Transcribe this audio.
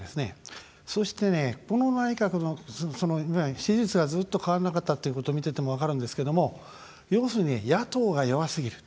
そしてね、この内閣の支持率がずっと変わらなかったっていうことを見てても分かるんですけども要するに、野党が弱すぎる。